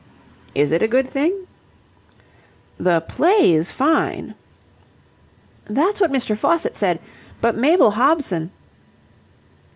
"Is it a good thing?" "The play's fine." "That's what Mr. Faucitt said. But Mabel Hobson..."